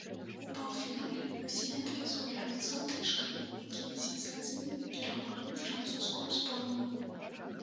У паўфінале расіянкі згуляюць з латышкамі, якія сенсацыйна перамаглі французскую зборную.